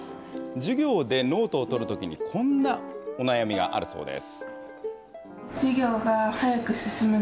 授業でノートを取るときに、こんなお悩みがあるそうです。